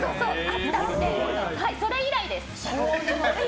それ以来です。